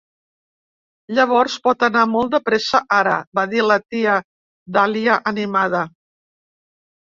"Llavors pot anar molt de pressa ara," va dir la tia Dahlia animada.